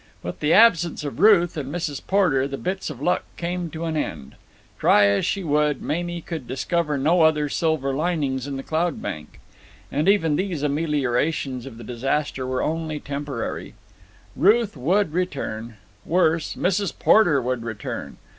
With the absence of Ruth and Mrs. Porter the bits of luck came to an end. Try as she would, Mamie could discover no other silver linings in the cloud bank. And even these ameliorations of the disaster were only temporary. Ruth would return. Worse, Mrs. Porter would return.